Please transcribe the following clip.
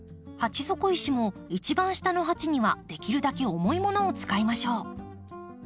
鉢底石も一番下の鉢にはできるだけ重いものを使いましょう。